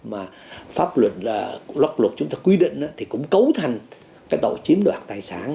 mà pháp luật là luật chúng ta quy định thì cũng cấu thành cái tội chiếm đoạt tài sản